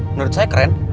menurut saya keren